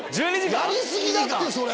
やり過ぎだってそれ。